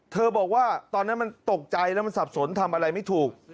บอกว่าตอนนั้นมันตกใจแล้วมันสับสนทำอะไรไม่ถูก